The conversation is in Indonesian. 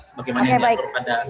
sebagaimana yang diatur pada